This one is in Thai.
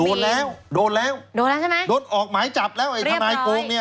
โดนแล้วโดนแล้วโดนออกหมายจับแล้วไอ้ทนายโกงเนี่ย